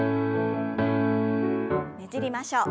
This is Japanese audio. ねじりましょう。